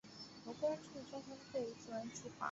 劳工处交通费支援计划